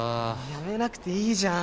やめなくていいじゃん。